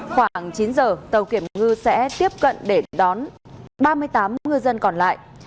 khoảng chín giờ tàu kiểm ngư sẽ tiếp cận để đón ba mươi tám ngư dân còn lại